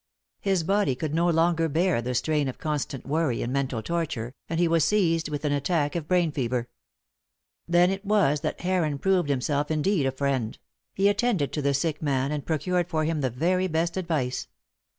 His body could no longer bear the strain of constant worry and mental torture, and he was seized with an attack of brain fever. Then it was that Heron proved himself indeed a friend; he attended to the sick man and procured for him the very best advice.